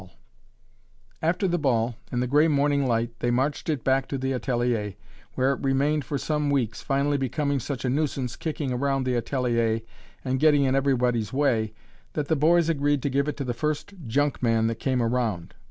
[Illustration: (portrait of man)] After the ball, in the gray morning light, they marched it back to the atelier, where it remained for some weeks, finally becoming such a nuisance, kicking around the atelier and getting in everybody's way, that the boys agreed to give it to the first junk man that came around.